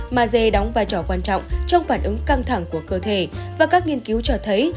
mage đóng vai trò quan trọng trong phản ứng căng thẳng của cơ thể và các nghiên cứu cho thấy